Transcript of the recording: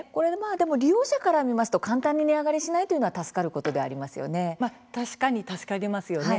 利用者から見ますと簡単に値上がりしないというのは助かることではありますよね。